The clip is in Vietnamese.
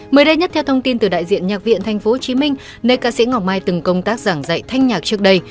mới đây nhất theo thông tin từ đại diện nhạc viện tp hcm nơi ca sĩ ngọc mai từng công tác giảng dạy thanh nhạc trước đây